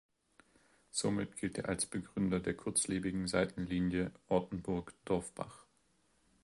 Somit gilt er als Begründer der kurzlebigen Seitenlinie Ortenburg-Dorfbach.